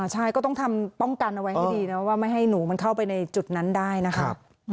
ใช่ก็ต้องทำป้องกันเอาไว้ให้ดีนะว่าไม่ให้หนูมันเข้าไปในจุดนั้นได้นะครับ